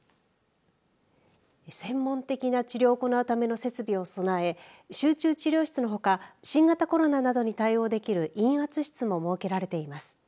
専門的な治療を行うための設備を備え集中治療室のほか新型コロナなどに対応できる陰圧室も設けられています。